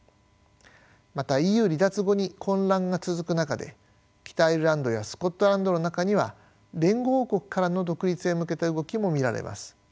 またＥＵ離脱後に混乱が続く中で北アイルランドやスコットランドの中には連合王国からの独立へ向けた動きも見られます。